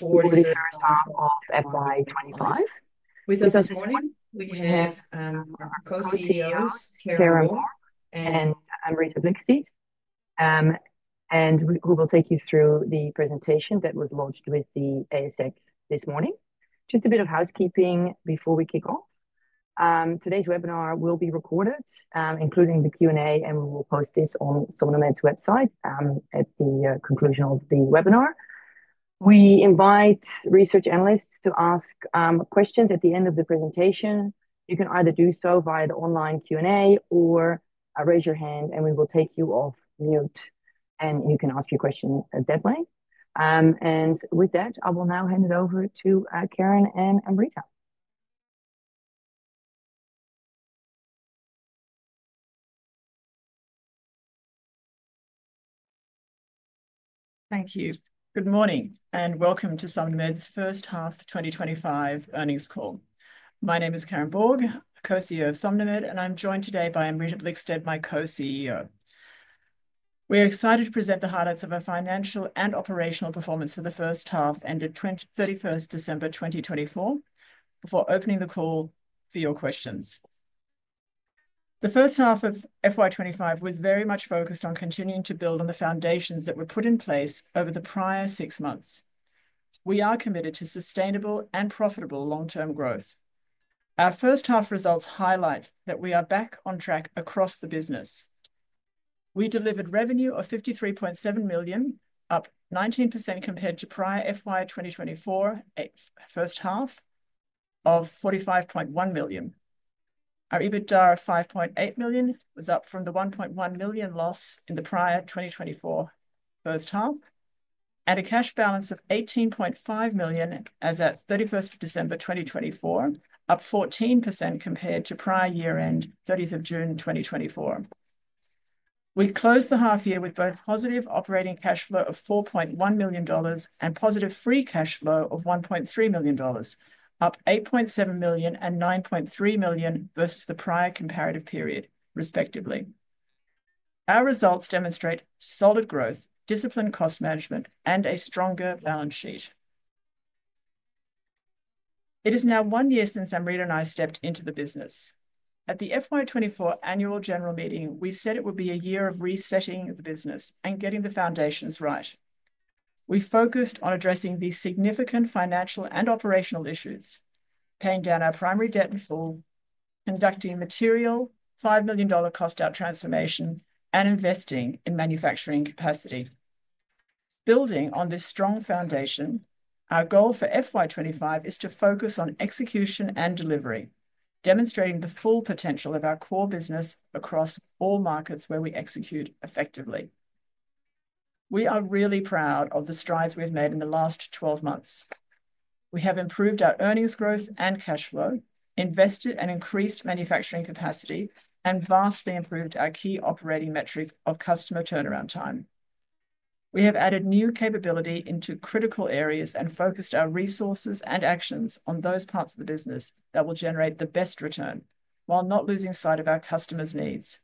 For the first time of FY2025. With us this morning, we have our Co-CEOs, Karen Borg and Amrita Blickstead, and we will take you through the presentation that was launched with the ASX this morning. Just a bit of housekeeping before we kick off. Today's webinar will be recorded, including the Q&A, and we will post this on SomnoMed's website at the conclusion of the webinar. We invite research analysts to ask questions at the end of the presentation. You can either do so via the online Q&A or raise your hand, and we will take you off mute, and you can ask your question at that point. With that, I will now hand it over to Karen and Amrita. Thank you. Good morning and welcome to SomnoMed's first half 2025 earnings call. My name is Karen Borg, Co-CEO of SomnoMed, and I'm joined today by Amrita Blickstead, my Co-CEO. We're excited to present the highlights of our financial and operational performance for the first half ended 31st December 2024, before opening the call for your questions. The first half of FY2025 was very much focused on continuing to build on the foundations that were put in place over the prior six months. We are committed to sustainable and profitable long-term growth. Our first half results highlight that we are back on track across the business. We delivered revenue of 53.7 million, up 19% compared to prior FY2024 first half of 45.1 million. Our EBITDA of 5.8 million was up from the 1.1 million loss in the prior 2024 first half, and a cash balance of 18.5 million as at 31st December 2024, up 14% compared to prior year-end 30th of June 2024. We closed the half year with both positive operating cash flow of 4.1 million dollars and positive free cash flow of 1.3 million dollars, up 8.7 million and 9.3 million versus the prior comparative period, respectively. Our results demonstrate solid growth, disciplined cost management, and a stronger balance sheet. It is now one year since Amrita and I stepped into the business. At the FY2024 annual general meeting, we said it would be a year of resetting the business and getting the foundations right. We focused on addressing the significant financial and operational issues, paying down our primary debt in full, conducting material 5 million dollar cost-out transformation, and investing in manufacturing capacity. Building on this strong foundation, our goal for FY2025 is to focus on execution and delivery, demonstrating the full potential of our core business across all markets where we execute effectively. We are really proud of the strides we've made in the last 12 months. We have improved our earnings growth and cash flow, invested and increased manufacturing capacity, and vastly improved our key operating metric of customer turnaround time. We have added new capability into critical areas and focused our resources and actions on those parts of the business that will generate the best return while not losing sight of our customers' needs.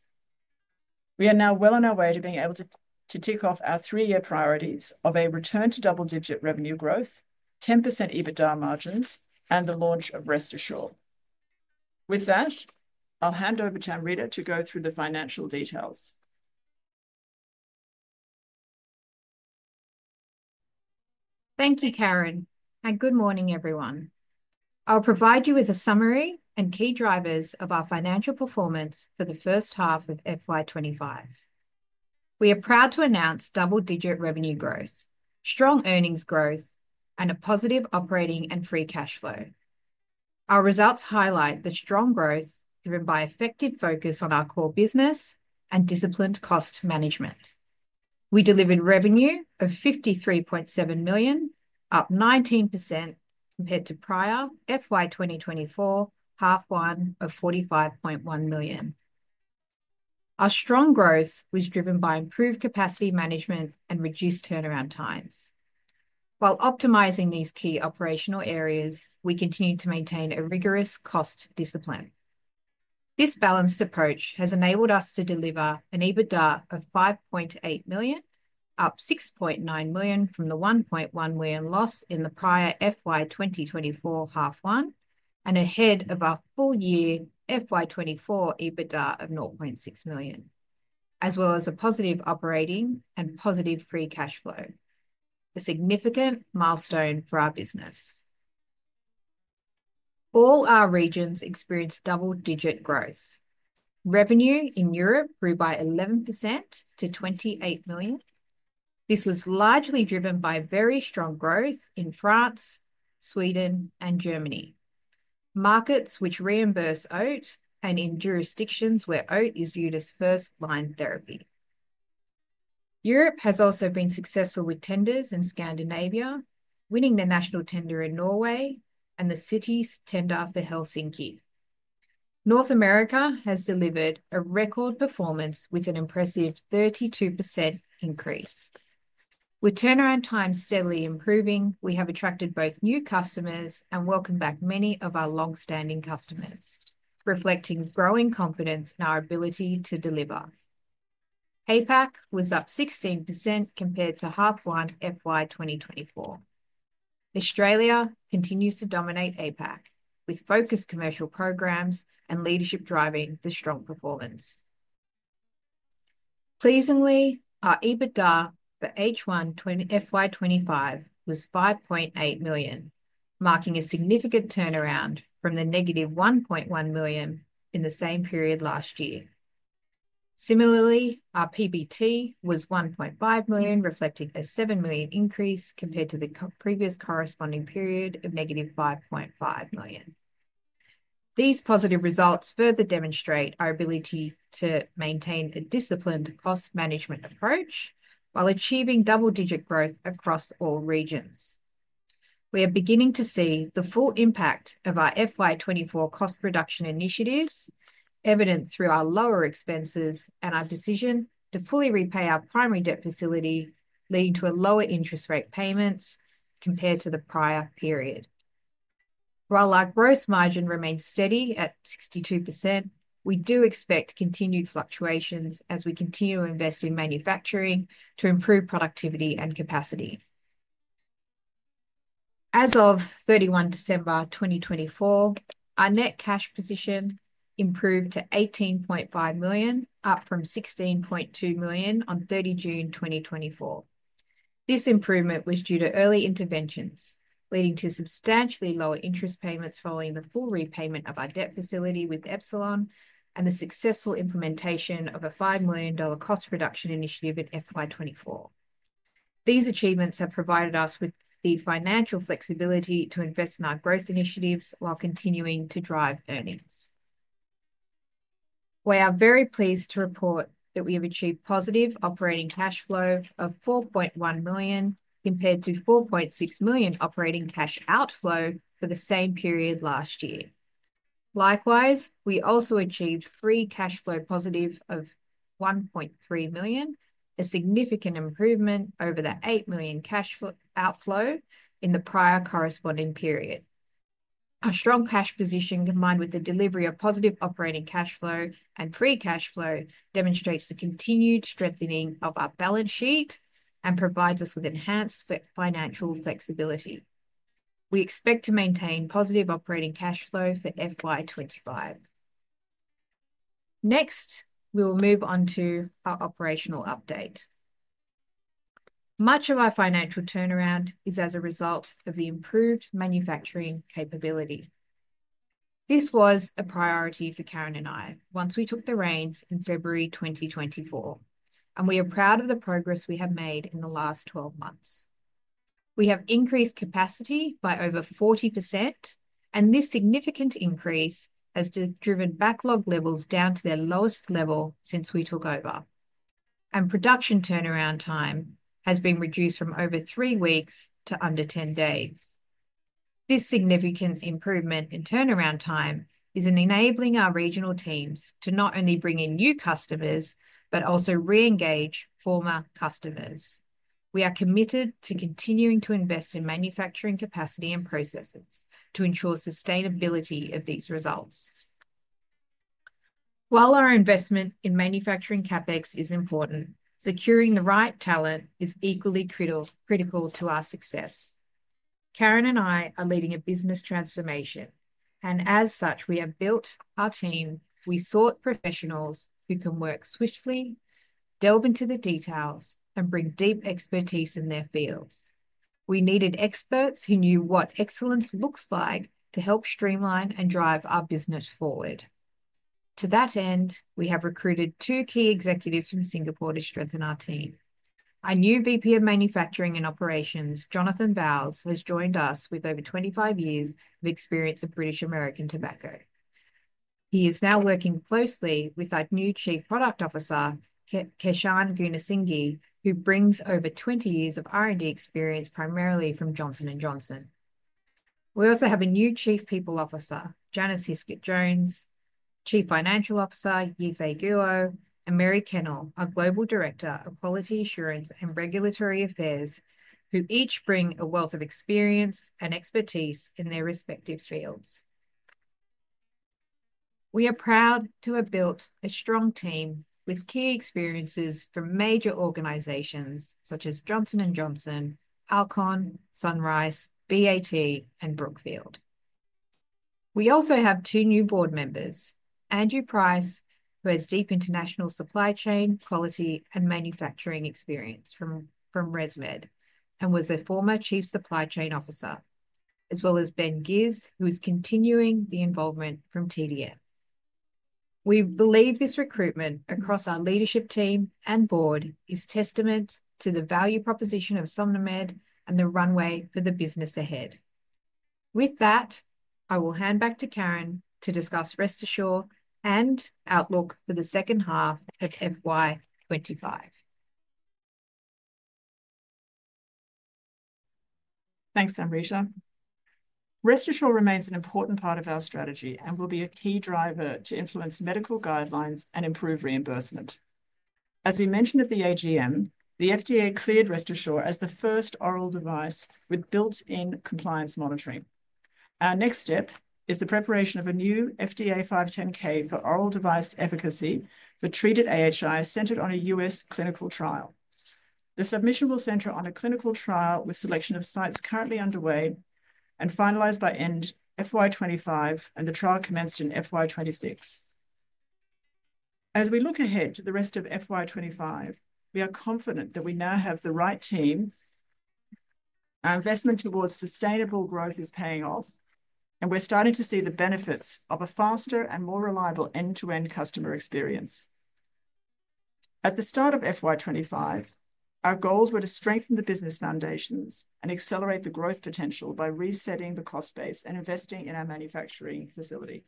We are now well on our way to being able to tick off our three-year priorities of a return to double-digit revenue growth, 10% EBITDA margins, and the launch of Rest Assured. With that, I'll hand over to Amrita to go through the financial details. Thank you, Karen, and good morning, everyone. I'll provide you with a summary and key drivers of our financial performance for the first half of FY2025. We are proud to announce double-digit revenue growth, strong earnings growth, and a positive operating and free cash flow. Our results highlight the strong growth driven by effective focus on our core business and disciplined cost management. We delivered revenue of 53.7 million, up 19% compared to prior FY2024 half one of 45.1 million. Our strong growth was driven by improved capacity management and reduced turnaround times. While optimizing these key operational areas, we continue to maintain a rigorous cost discipline. This balanced approach has enabled us to deliver an EBITDA of 5.8 million, up 6.9 million from the 1.1 million loss in the prior FY2024 half one, and ahead of our full year FY2024 EBITDA of 0.6 million, as well as a positive operating and positive free cash flow. A significant milestone for our business. All our regions experienced double-digit growth. Revenue in Europe grew by 11% to 28 million. This was largely driven by very strong growth in France, Sweden, and Germany, markets which reimburse OAT and in jurisdictions where OAT is viewed as first-line therapy. Europe has also been successful with tenders in Scandinavia, winning the national tender in Norway and the city's tender for Helsinki. North America has delivered a record performance with an impressive 32% increase. With turnaround times steadily improving, we have attracted both new customers and welcomed back many of our long-standing customers, reflecting growing confidence in our ability to deliver. APAC was up 16% compared to H1 FY2024. Australia continues to dominate APAC with focused commercial programs and leadership driving the strong performance. Pleasingly, our EBITDA for H1 FY2025 was 5.8 million, marking a significant turnaround from the -1.1 million in the same period last year. Similarly, our PBT was 1.5 million, reflecting a 7 million increase compared to the previous corresponding period of -5.5 million. These positive results further demonstrate our ability to maintain a disciplined cost management approach while achieving double-digit growth across all regions. We are beginning to see the full impact of our FY2024 cost reduction initiatives, evident through our lower expenses and our decision to fully repay our primary debt facility, leading to lower interest rate payments compared to the prior period. While our gross margin remains steady at 62%, we do expect continued fluctuations as we continue to invest in manufacturing to improve productivity and capacity. As of 31 December 2024, our net cash position improved to 18.5 million, up from 16.2 million on 30 June 2024. This improvement was due to early interventions, leading to substantially lower interest payments following the full repayment of our debt facility with Epsilon and the successful implementation of a 5 million dollar cost reduction initiative in FY2024. These achievements have provided us with the financial flexibility to invest in our growth initiatives while continuing to drive earnings. We are very pleased to report that we have achieved positive operating cash flow of 4.1 million compared to 4.6 million operating cash outflow for the same period last year. Likewise, we also achieved free cash flow of +1.3 million, a significant improvement over the 8 million cash outflow in the prior corresponding period. Our strong cash position, combined with the delivery of positive operating cash flow and free cash flow, demonstrates the continued strengthening of our balance sheet and provides us with enhanced financial flexibility. We expect to maintain positive operating cash flow for FY2025. Next, we will move on to our operational update. Much of our financial turnaround is as a result of the improved manufacturing capability. This was a priority for Karen and I once we took the reins in February 2024, and we are proud of the progress we have made in the last 12 months. We have increased capacity by over 40%, and this significant increase has driven backlog levels down to their lowest level since we took over, and production turnaround time has been reduced from over three weeks to under 10 days. This significant improvement in turnaround time is enabling our regional teams to not only bring in new customers but also re-engage former customers. We are committed to continuing to invest in manufacturing capacity and processes to ensure sustainability of these results. While our investment in manufacturing CapEx is important, securing the right talent is equally critical to our success. Karen and I are leading a business transformation, and as such, we have built our team. We sought professionals who can work swiftly, delve into the details, and bring deep expertise in their fields. We needed experts who knew what excellence looks like to help streamline and drive our business forward. To that end, we have recruited two key executives from Singapore to strengthen our team. Our new VP of Manufacturing and Operations, Jonathan Bowles, has joined us with over 25 years of experience in British American Tobacco. He is now working closely with our new Chief Product Officer, Keshan Gunasinghe, who brings over 20 years of R&D experience primarily from Johnson & Johnson. We also have a new Chief People Officer, Janice Hiskett-Jones, Chief Financial Officer, Ye-Fei Guo, and Mary Kennell, our Global Director of Quality Assurance and Regulatory Affairs, who each bring a wealth of experience and expertise in their respective fields. We are proud to have built a strong team with key experiences from major organizations such as Johnson & Johnson, Alcon, Sunrise, BAT, and Brookfield. We also have two new board members, Andrew Price, who has deep international supply chain, quality, and manufacturing experience from ResMed and was a former Chief Supply Chain Officer, as well as Ben Gisz, who is continuing the involvement from TDM. We believe this recruitment across our leadership team and board is testament to the value proposition of SomnoMed and the runway for the business ahead. With that, I will hand back to Karen to discuss Rest Assured and Outlook for the second half of FY2025. Thanks, Amrita. Rest Assured remains an important part of our strategy and will be a key driver to influence medical guidelines and improve reimbursement. As we mentioned at the AGM, the FDA cleared Rest Assured as the first oral device with built-in compliance monitoring. Our next step is the preparation of a new FDA 510(k) for oral device efficacy for treated AHIs centered on a U.S. clinical trial. The submission will center on a clinical trial with selection of sites currently underway and finalized by end FY2025, and the trial commenced in FY2026. As we look ahead to the rest of FY2025, we are confident that we now have the right team. Our investment towards sustainable growth is paying off, and we're starting to see the benefits of a faster and more reliable end-to-end customer experience. At the start of FY2025, our goals were to strengthen the business foundations and accelerate the growth potential by resetting the cost base and investing in our manufacturing facility.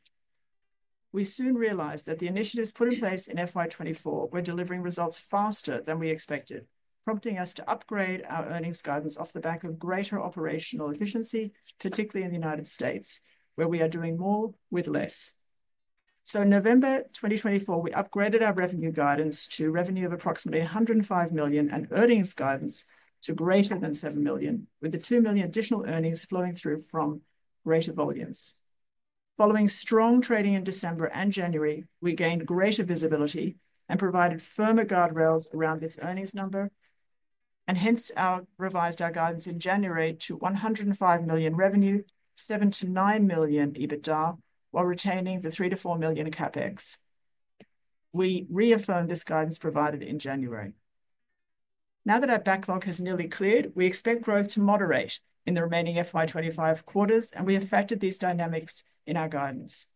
We soon realized that the initiatives put in place in FY2024 were delivering results faster than we expected, prompting us to upgrade our earnings guidance off the back of greater operational efficiency, particularly in the United States, where we are doing more with less. In November 2024, we upgraded our revenue guidance to revenue of approximately 105 million and earnings guidance to greater than 7 million, with the 2 million additional earnings flowing through from greater volumes. Following strong trading in December and January, we gained greater visibility and provided firmer guardrails around this earnings number, and hence revised our guidance in January to 105 million revenue, 7 million-9 million EBITDA, while retaining the 3 million-4 million CapEx. We reaffirmed this guidance provided in January. Now that our backlog has nearly cleared, we expect growth to moderate in the remaining FY2025 quarters, and we affected these dynamics in our guidance.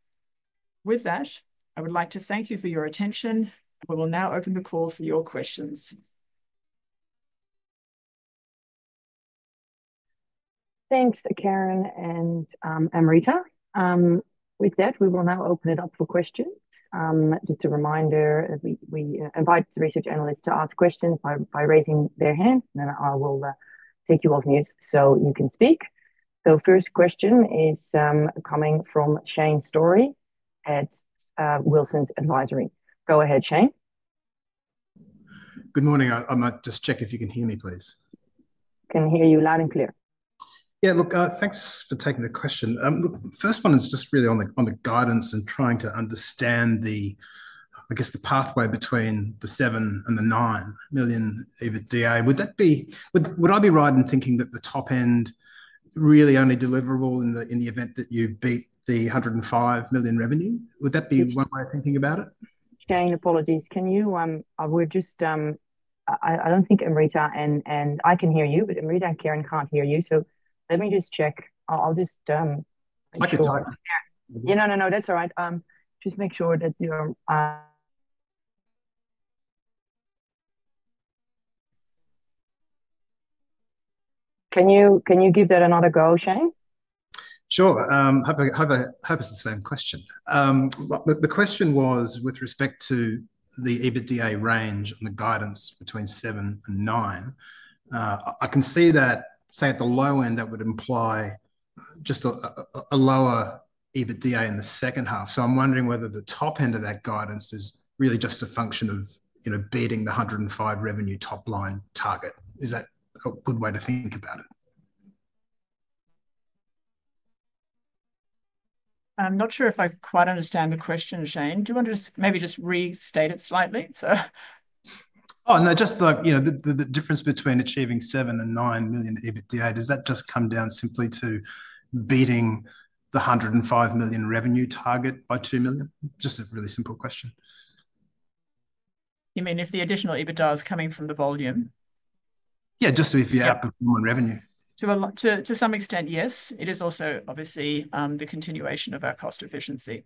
With that, I would like to thank you for your attention, and we will now open the call for your questions. Thanks, Karen and Amrita. With that, we will now open it up for questions. Just a reminder, we invite research analysts to ask questions by raising their hands, and then I will take you off mute so you can speak. The first question is coming from Shane Storey at Wilsons Advisory. Go ahead, Shane. Good morning. I might just check if you can hear me, please. Can hear you loud and clear. Yeah, look, thanks for taking the question. Look, the first one is just really on the guidance and trying to understand the, I guess, the pathway between the 7 million and the 9 million EBITDA. Would that be, would I be right in thinking that the top end really only deliverable in the event that you beat the 105 million revenue? Would that be one way of thinking about it? Shane, apologies. Can you, I would just, I do not think Amrita, and I can hear you, but Amrita and Karen cannot hear you, so let me just check. I done. I could type. Yeah, no, no, no, that's all right. Just make sure that you're—can you give that another go, Shane? Sure. Hope it's the same question. The question was with respect to the EBITDA range and the guidance between 7 to 9. I can see that, say, at the low end, that would imply just a lower EBITDA in the second half. I am wondering whether the top end of that guidance is really just a function of beating the 105 revenue top line target. Is that a good way to think about it? I'm not sure if I quite understand the question, Shane. Do you want to just maybe just restate it slightly? Oh, no, just the difference between achieving 7 and 9 million EBITDA, does that just come down simply to beating the 105 million revenue target by 2 million? Just a really simple question. You mean if the additional EBITDA is coming from the volume? Yeah, just if you add the revenue. To some extent, yes. It is also, obviously, the continuation of our cost efficiency.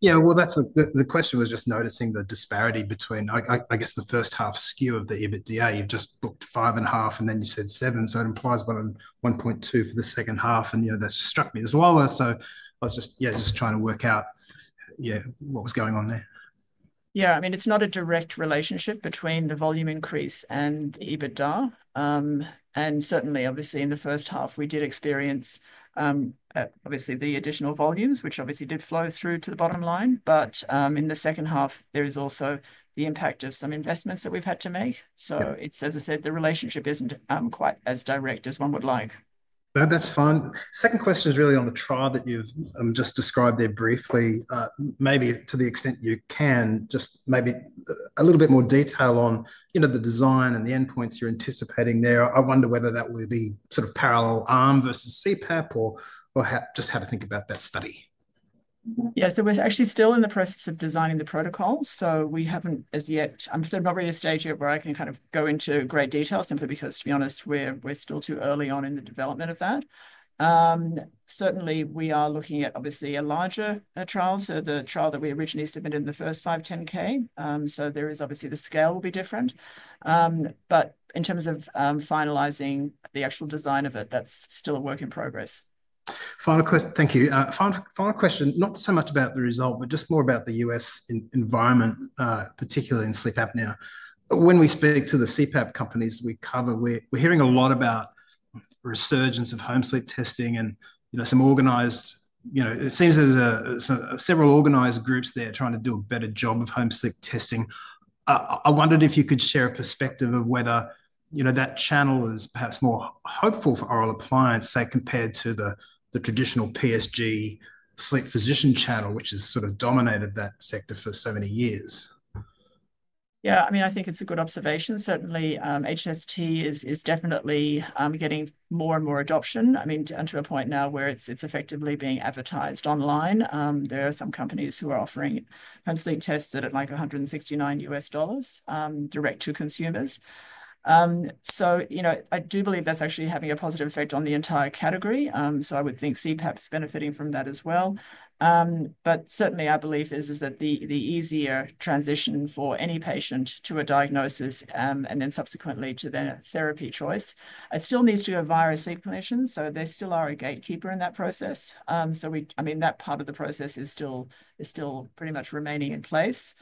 Yeah, that's the question. I was just noticing the disparity between, I guess, the first half skew of the EBITDA. You've just booked 5.5 and then you said 7, so it implies 1.2 for the second half, and that struck me as lower. I was just, yeah, just trying to work out what was going on there. Yeah, I mean, it's not a direct relationship between the volume increase and EBITDA. Certainly, obviously, in the first half, we did experience, obviously, the additional volumes, which obviously did flow through to the bottom line. In the second half, there is also the impact of some investments that we've had to make. As I said, the relationship isn't quite as direct as one would like. That's fine. Second question is really on the trial that you've just described there briefly. Maybe to the extent you can, just maybe a little bit more detail on the design and the endpoints you're anticipating there. I wonder whether that will be sort of parallel arm versus CPAP or just how to think about that study. Yeah, so we're actually still in the process of designing the protocol, so we haven't as yet, I'm not ready to stage it where I can kind of go into great detail simply because, to be honest, we're still too early on in the development of that. Certainly, we are looking at, obviously, a larger trial, so the trial that we originally submitted in the first 510(k). There is obviously the scale will be different. In terms of finalizing the actual design of it, that's still a work in progress. Final question, thank you. Final question, not so much about the result, but just more about the US environment, particularly in sleep apnea. When we speak to the CPAP companies we cover, we're hearing a lot about resurgence of home sleep testing and some organized, it seems there's several organized groups there trying to do a better job of home sleep testing. I wondered if you could share a perspective of whether that channel is perhaps more hopeful for oral appliance, say, compared to the traditional PSG sleep physician channel, which has sort of dominated that sector for so many years. Yeah, I mean, I think it's a good observation. Certainly, HST is definitely getting more and more adoption. I mean, to a point now where it's effectively being advertised online. There are some companies who are offering home sleep tests at like $169 direct to consumers. I do believe that's actually having a positive effect on the entire category. I would think CPAP's benefiting from that as well. Certainly, I believe it is the easier transition for any patient to a diagnosis and then subsequently to their therapy choice. It still needs to go via a sleep clinician, so they still are a gatekeeper in that process. I mean, that part of the process is still pretty much remaining in place.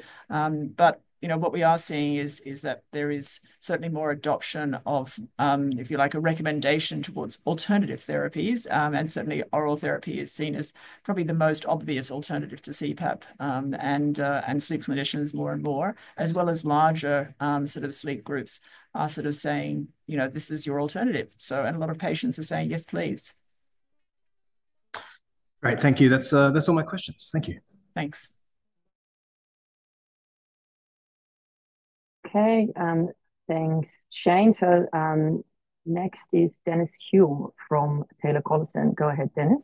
What we are seeing is that there is certainly more adoption of, if you like, a recommendation towards alternative therapies, and certainly oral therapy is seen as probably the most obvious alternative to CPAP, and sleep clinicians more and more, as well as larger sort of sleep groups, are sort of saying, "This is your alternative." A lot of patients are saying, "Yes, please. Great. Thank you. That's all my questions. Thank you. Thanks. Okay. Thanks, Shane. Next is Dennis Hulme from Taylor Collison. Go ahead, Dennis.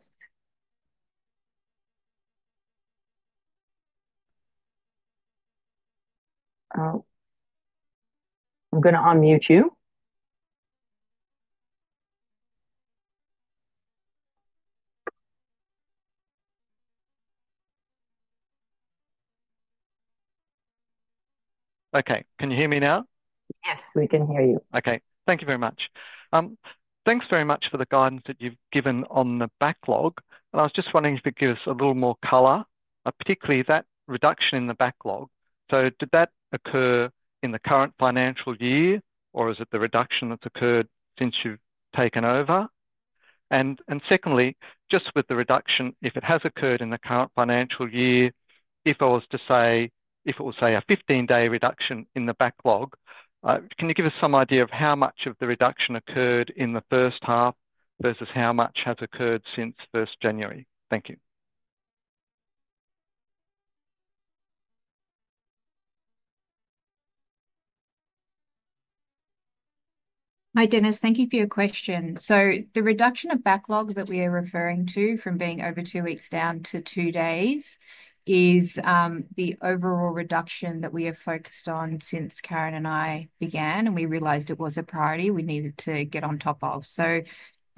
I'm going to unmute you. Okay. Can you hear me now? Yes, we can hear you. Okay. Thank you very much. Thanks very much for the guidance that you've given on the backlog. I was just wondering if you could give us a little more color, particularly that reduction in the backlog. Did that occur in the current financial year, or is it the reduction that's occurred since you've taken over? Secondly, just with the reduction, if it has occurred in the current financial year, if I was to say, if it was, say, a 15-day reduction in the backlog, can you give us some idea of how much of the reduction occurred in the first half versus how much has occurred since 1 January? Thank you. Hi, Dennis. Thank you for your question. The reduction of backlog that we are referring to from being over two weeks down to two days is the overall reduction that we have focused on since Karen and I began, and we realized it was a priority we needed to get on top of.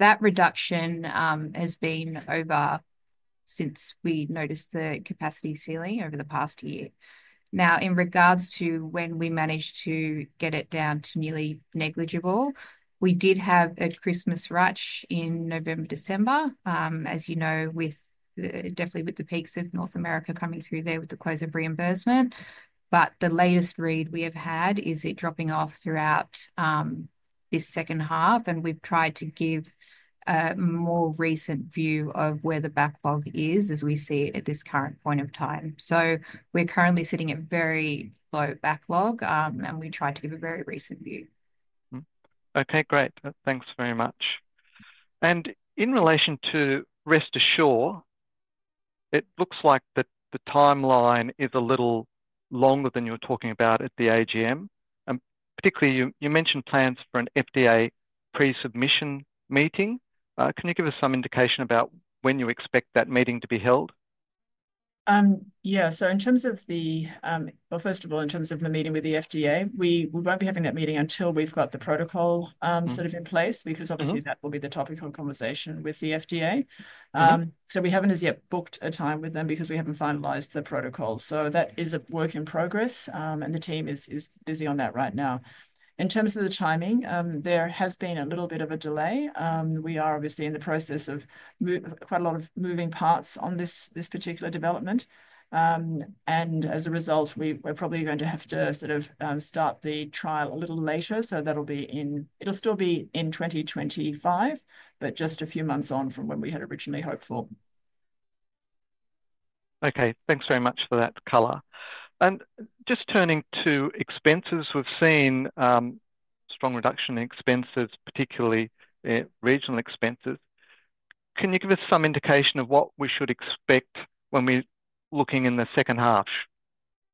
That reduction has been over since we noticed the capacity ceiling over the past year. Now, in regards to when we managed to get it down to nearly negligible, we did have a Christmas rush in November, December, as you know, definitely with the peaks of North America coming through there with the close of reimbursement. The latest read we have had is it dropping off throughout this second half, and we've tried to give a more recent view of where the backlog is as we see it at this current point of time. We're currently sitting at very low backlog, and we tried to give a very recent view. Okay, great. Thanks very much. In relation to Rest Assured, it looks like the timeline is a little longer than you were talking about at the AGM. Particularly, you mentioned plans for an FDA pre-submission meeting. Can you give us some indication about when you expect that meeting to be held? Yeah. In terms of the, first of all, in terms of the meeting with the FDA, we won't be having that meeting until we've got the protocol sort of in place because, obviously, that will be the topic of conversation with the FDA. We haven't as yet booked a time with them because we haven't finalized the protocol. That is a work in progress, and the team is busy on that right now. In terms of the timing, there has been a little bit of a delay. We are obviously in the process of quite a lot of moving parts on this particular development. As a result, we're probably going to have to sort of start the trial a little later. That'll be in, it'll still be in 2025, but just a few months on from when we had originally hoped for. Okay. Thanks very much for that color. Just turning to expenses, we've seen strong reduction in expenses, particularly regional expenses. Can you give us some indication of what we should expect when we're looking in the second half?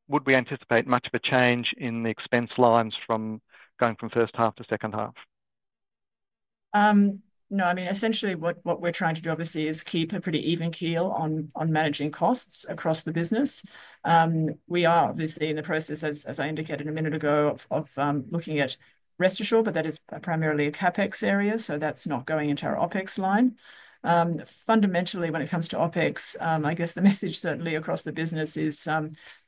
Would we anticipate much of a change in the expense lines going from first half to second half? No, I mean, essentially, what we're trying to do, obviously, is keep a pretty even keel on managing costs across the business. We are obviously in the process, as I indicated a minute ago, of looking at Rest Assured, but that is primarily a CapEx area, so that's not going into our Opex line. Fundamentally, when it comes to Opex, I guess the message certainly across the business is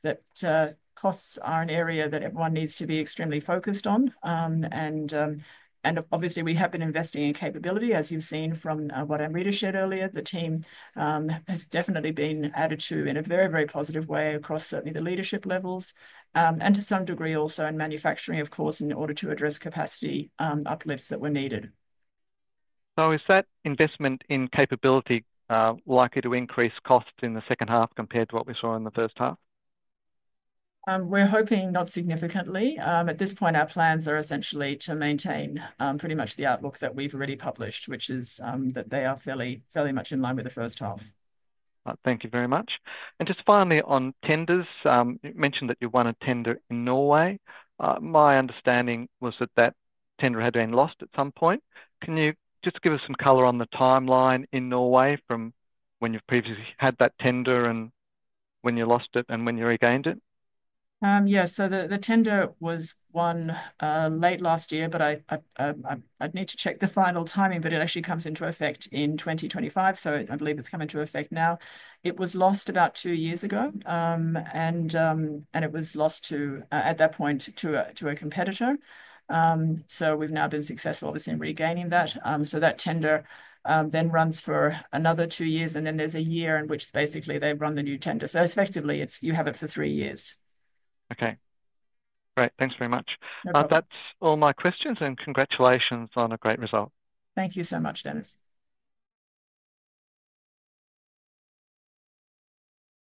that costs are an area that everyone needs to be extremely focused on. Obviously, we have been investing in capability, as you've seen from what Amrita shared earlier. The team has definitely been added to in a very, very positive way across certainly the leadership levels, and to some degree also in manufacturing, of course, in order to address capacity uplifts that were needed. Is that investment in capability likely to increase costs in the second half compared to what we saw in the first half? We're hoping not significantly. At this point, our plans are essentially to maintain pretty much the outlook that we've already published, which is that they are fairly much in line with the first half. Thank you very much. Just finally, on tenders, you mentioned that you won a tender in Norway. My understanding was that that tender had been lost at some point. Can you just give us some color on the timeline in Norway from when you've previously had that tender and when you lost it and when you regained it? Yeah. The tender was won late last year, but I'd need to check the final timing, but it actually comes into effect in 2025. I believe it's coming into effect now. It was lost about two years ago, and it was lost at that point to a competitor. We've now been successful, obviously, in regaining that. That tender then runs for another two years, and then there's a year in which basically they run the new tender. Effectively, you have it for three years. Okay. Great. Thanks very much. That's all my questions, and congratulations on a great result. Thank you so much, Dennis.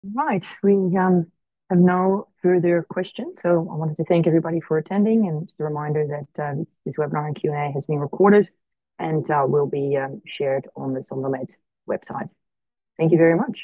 All right. We have no further questions. I wanted to thank everybody for attending and just a reminder that this webinar and Q&A has been recorded and will be shared on the SomnoMed website. Thank you very much.